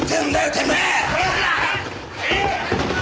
てめえ！